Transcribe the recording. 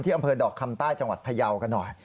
อำเภอดอกคำใต้จังหวัดพยาวกันหน่อย